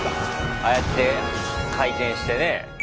ああやって回転してね。